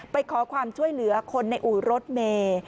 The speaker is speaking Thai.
ไปขอความช่วยเหลือคนในอู่รถเมย์